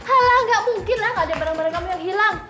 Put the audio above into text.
alah nggak mungkin lah nggak ada barang barang kamu yang hilang